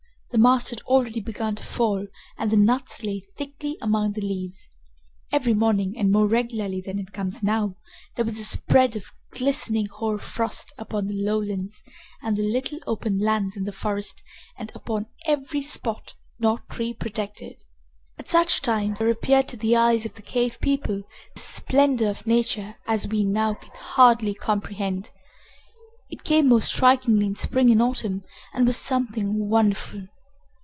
The mast had already begun to fall and the nuts lay thickly among the leaves. Every morning, and more regularly than it comes now, there was a spread of glistening hoar frost upon the lowlands and the little open lands in the forest and upon every spot not tree protected. At such times there appeared to the eyes of the cave people the splendor of nature such as we now can hardly comprehend. It came most strikingly in spring and autumn, and was something wonderful.